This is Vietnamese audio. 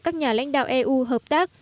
các nhà lãnh đạo eu hợp tác